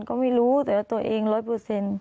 ก็ไม่รู้แต่ว่าตัวเองร้อยเปอร์เซ็นต์